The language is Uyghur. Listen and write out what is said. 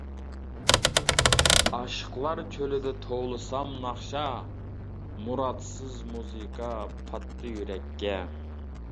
ئاشىقلار چۆلىدە توۋلىسام ناخشا، مۇرادسىز مۇزىكا پاتتى يۈرەككە.